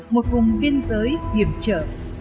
một vùng biên giới điểm trở